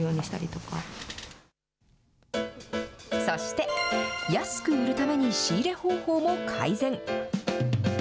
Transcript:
そして、安く売るために仕入れ方法も改善。